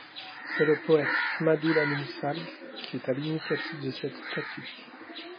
C'est le poète Amadou Lamine Sall qui est à l'initiative de cette statue.